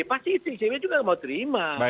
pasti icw juga tidak mau terima